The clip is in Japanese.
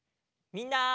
みんな！